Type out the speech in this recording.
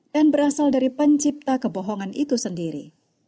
dan berasal dari pencipta kebohongan itu sendiri